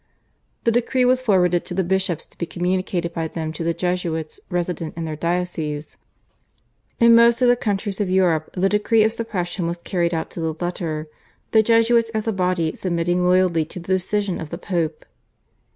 The decree was forwarded to the bishops to be communicated by them to the Jesuits resident in their dioceses. In most of the countries of Europe the decree of suppression was carried out to the letter, the Jesuits as a body submitting loyally to the decision of the Pope.